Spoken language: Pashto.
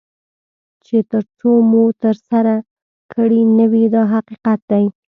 چې تر څو مو ترسره کړي نه وي دا حقیقت دی.